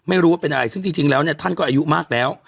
ไม่รู้ว่าเป็นอะไรซึ่งจริงแล้วเนี่ยท่านก็อายุมากแล้ว